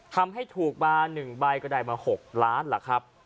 ทำให้ถูกมา๑ใบก็ได้มา๖ล้านล่ะครับ